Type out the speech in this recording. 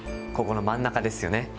ここの真ん中ですよね？